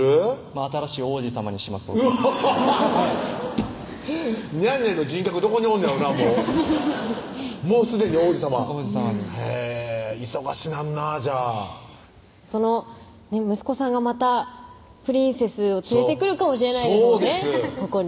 新しい王子さまにしますアハハハハッにゃんにゃんの人格どこにおんねんやろなもうもうすでに王子さま王子さまに忙しなんなぁじゃあその息子さんがまたプリンセスを連れてくるかもしれないですもんね